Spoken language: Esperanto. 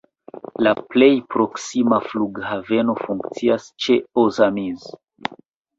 La plej proksima flughaveno funkcias ĉe Ozamiz.